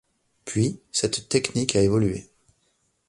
Puis, cette technique a évolué.